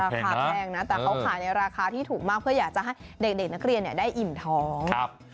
แพงนะแต่เขาขายในราคาที่ถูกมากเพื่ออยากจะให้เด็กนักเรียนได้อิ่มท้อง